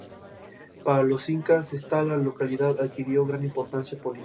El aumento de las concesiones a las minorías cristianas desagradó a la población musulmana.